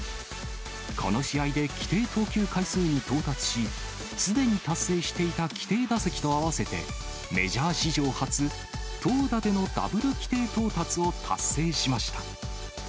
この試合で規定投球回数に到達し、すでに達成していた規定打席と合わせて、メジャー史上初、投打でのダブル規定到達を達成しました。